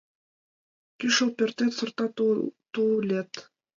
Кӱшыл пӧртет — сорта тулет.